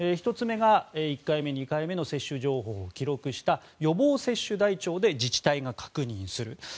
１つ目が１回目、２回目の接種情報を記録した予防接種台帳で自治体が確認する。